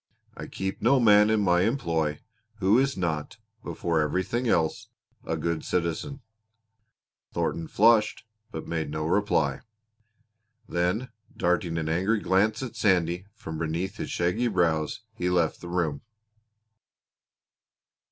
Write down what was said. I keep no man in my employ who is not before everything else a good citizen." Thornton flushed, but made no reply. Then darting an angry glance at Sandy from beneath his shaggy brows, he left the room.